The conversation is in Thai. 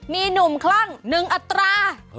มีหนุ่มคลั่ง๑อัตรา